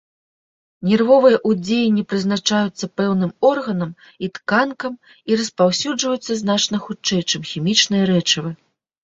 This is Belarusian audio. Нервовыя ўздзеянні прызначаюцца пэўным органам і тканкам і распаўсюджваюцца значна хутчэй, чым хімічныя рэчывы.